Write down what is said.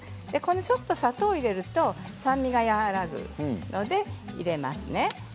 ちょっと砂糖を入れると酸味が和らぐんですね。